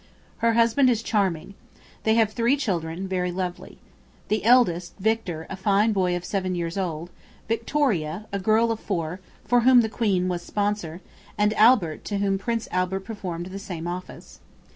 Her husband is charming. ... They have three children, very lovely. The eldest, Victor, a fine boy of seven years old, Victoria, a girl of four, for whom the Queen was sponsor, and Albert, to whom Prince Albert performed the same office.